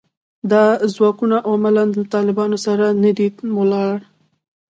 دا ځواکونه عملاً له طالبانو سره نه دي ولاړ